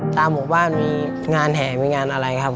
ตามหมู่บ้านมีงานแห่มีงานอะไรครับ